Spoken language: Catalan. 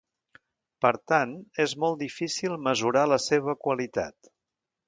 Per tant, és molt difícil mesurar la seva qualitat.